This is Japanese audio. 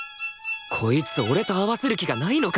こいつ俺と合わせる気がないのか！？